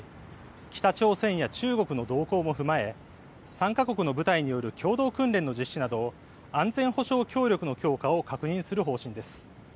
北朝鮮や中国の動向も踏まえ３か国の部隊による共同訓練の実施など安全保障協力の強化を確認する方針です。